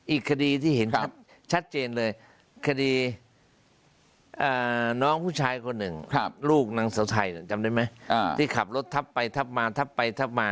อีกคดีที่เห็นชัดเจนเลยคดีน้องผู้ชายคนหนึ่งลูกนางเสาไทยจำได้ไหมที่ขับรถทับไปทับมาทับไปทับมา